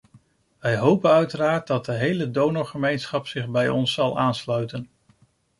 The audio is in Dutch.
Wij hopen uiteraard dat de hele donorgemeenschap zich bij ons zal aansluiten.